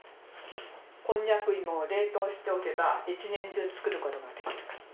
コンニャク芋を冷凍しておけば１年中作ることができるから。